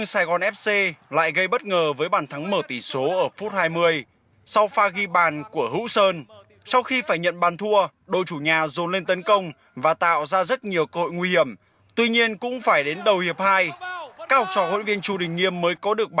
xin chào và hẹn gặp lại các bạn trong các video tiếp theo